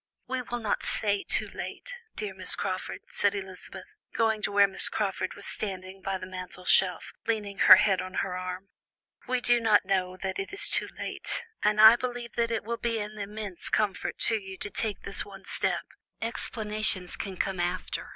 "We will not say too late, dear Miss Crawford," said Elizabeth, going up to where Miss Crawford was standing by the mantelshelf, leaning her head on her arm. "We do not know that it is too late, and I believe that it will be an immense comfort to you to take this one step. Explanations can come after.